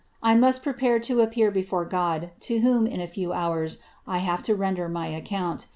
I must prepare to appear before God, to a few hours, I have to render my account.